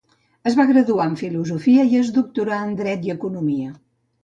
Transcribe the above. Es va graduar en filosofia i es doctorà en dret i economia.